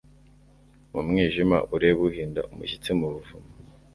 Mu mwijima ureba uhinda umushyitsi mu buvumo